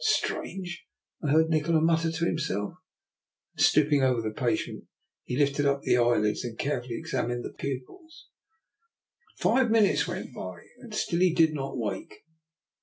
" Strange," I heard Nikola mutter to him self, and stooping over the patient he lifted the eyelids and carefully examined the pupils. DR. NIKOLA'S EXPERIMENT. 289 Five minutes went by, and still he did not wake.